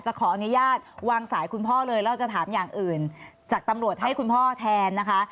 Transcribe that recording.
ขออนุญาตวางสายคุณพ่อเลยแล้วจะถามอย่างอื่นจากตำรวจให้คุณพ่อแทนนะคะ